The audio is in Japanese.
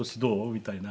みたいな。